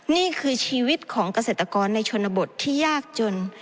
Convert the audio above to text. นี่คือชีวิตของเกษตรกรในชนบทที่ยากจน